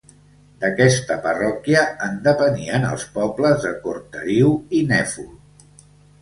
D'aquesta parròquia en depenien els pobles de Cortariu i Nèfol.